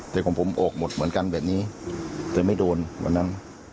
แต่ของผมออกหมดเหมือนกันแบบนี้แต่ไม่โดนวันนั้น